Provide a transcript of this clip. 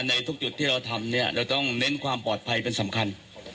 ในทุกจุดที่เราทำเนี่ยเราต้องเน้นความปลอดภัยเป็นสำคัญ